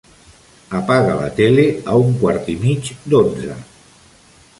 Apaga la tele a un quart i mig d'onze.